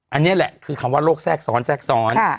อันนี้แหละคือคำว่าโรคแทรกซ้อนแทรกซ้อน